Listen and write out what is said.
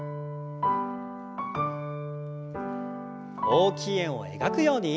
大きい円を描くように。